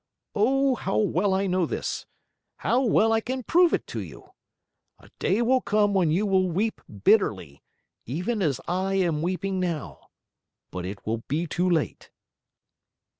Oh, how well I know this! How well I can prove it to you! A day will come when you will weep bitterly, even as I am weeping now but it will be too late!"